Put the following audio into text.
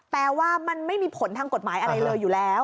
แปลว่ามันไม่มีผลทางกฎหมายอะไรเลยอยู่แล้ว